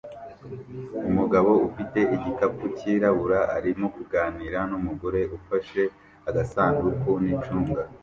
Umugabo ufite igikapu cyirabura arimo kuganira numugore ufashe agasanduku nicunga